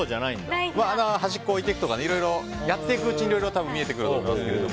端っこに置いていくとかいろいろやっていくうちに見えてくると思いますが。